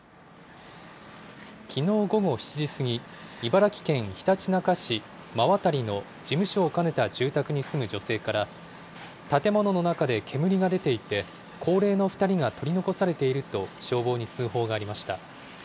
きのう午後７時過ぎ、茨城県ひたちなか市馬渡の事務所を兼ねた住宅に住む女性から、建物の中で煙が出ていて、高齢の２人が取り残されていると、消防に通報がありました。